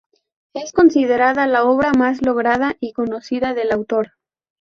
Es considerada la obra más lograda y conocida del autor.